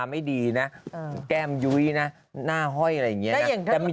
อยากรู้นานแค่ไหนก่อนครับพี่